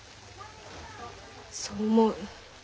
そう思う。